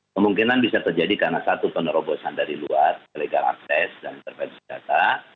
kemungkinan bisa terjadi karena satu penerobosan dari luar illegal access dan terbaik secara